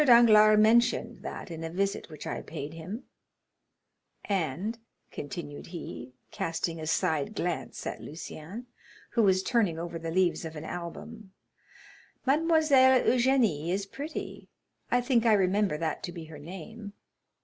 Danglars mentioned that in a visit which I paid him; and," continued he, casting a side glance at Lucien, who was turning over the leaves of an album, "Mademoiselle Eugénie is pretty—I think I remember that to be her name."